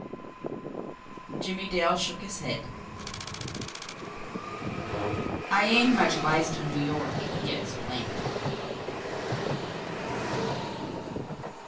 Jimmie Dale shook his head. "I ain't much wise to New York," he explained.